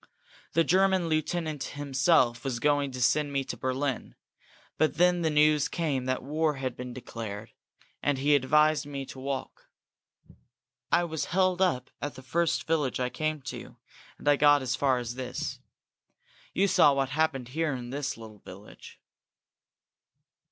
The German lieutenant himself was going to send me to Berlin, but then the news came that war had been declared, and he advised me to walk. I was held up at the first village I came to, and I got as far as this. You saw what happened here in this little village."